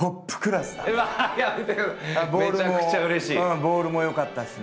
ボールも良かったしね